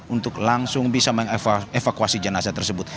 untuk langsung bisa mengevakuasi jenazah tersebut